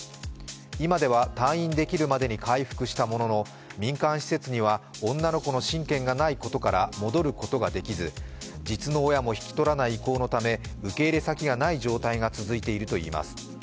今では退院できるまでに回復したものの民間施設には女の子の親権がないことから戻ることができず実の親も引き取らない意向のため受け入れ先がない状態が続いているといいます。